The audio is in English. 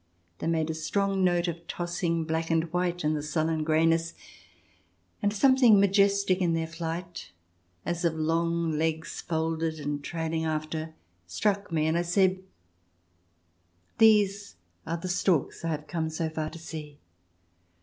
They made a strong note of tossing black and white in the sullen greyness, and something majestic in their flight, as of long legs folded and trailing after, struck me, and I said :" These are the storks I have come so far to see."